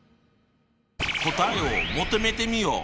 答えを求めてみよう！